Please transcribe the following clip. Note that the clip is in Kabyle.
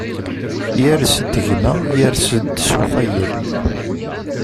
Yers-d gma, yers-d s uxayel.